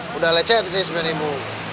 sudah lecet sih sepion ibu